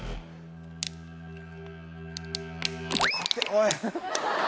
おい。